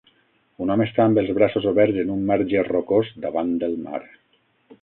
Un home està amb els braços oberts en un marge rocós davant del mar.